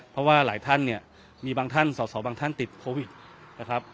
เพราะว่าหลายท่านเนี่ยมีบางท่านสอสอบางท่านติดโควิดนะครับ